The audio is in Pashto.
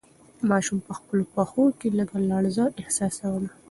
ماشوم په خپلو پښو کې لږه لړزه احساسوله.